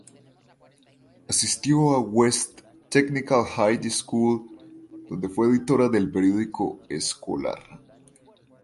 Asistió a West Technical High School, donde fue editora del periódico escolar.